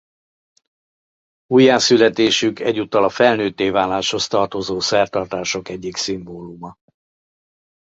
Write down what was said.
Újjászületésük egyúttal a felnőtté váláshoz tartozó szertartások egyik szimbóluma.